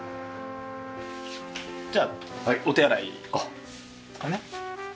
じゃあお手洗いですかね。